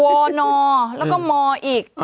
ว่อนอแล้วก็มออีก